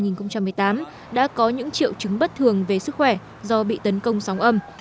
năm hai nghìn một mươi tám đã có những triệu chứng bất thường về sức khỏe do bị tấn công sóng âm